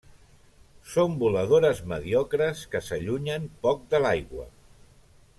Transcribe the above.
Són voladores mediocres que s'allunyen poc de l'aigua.